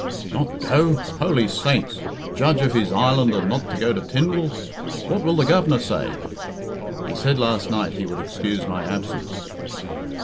"Not go? Holy saints! Judge of his island and not go to Tynwald! What will the Governor say?" "He said last night he would excuse my absence."